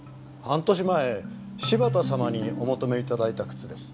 半年前柴田様にお求め頂いた靴です。